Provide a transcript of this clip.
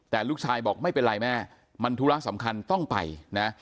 แต่ลูกชายบอกไม่เป็นไรแม่มันธุระสำคัญต้องไปนะ